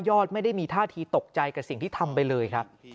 อดไม่ได้มีท่าทีตกใจกับสิ่งที่ทำไปเลยครับ